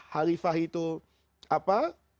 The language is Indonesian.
halifah itu apa